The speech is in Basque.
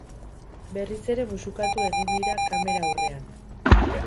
Berriz ere musukatu egin dira kamera aurrean.